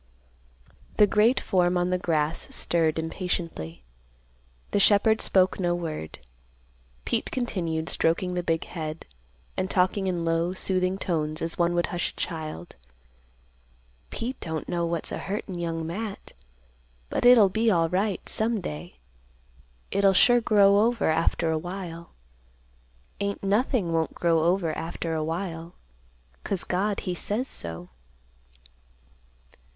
The great form on the grass stirred impatiently. The shepherd spoke no word. Pete continued, stroking the big head, and talking in low, soothing tones, as one would hush a child, "Pete don't know what's a hurtin' Young Matt, but it'll be alright, some day. It'll sure grow over after awhile. Ain't nothing won't grow over after awhile; 'cause God he says so."